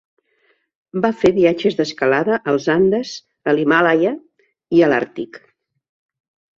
Va fer viatges d'escalada als Andes, a l'Himàlaia i a l'Àrtic.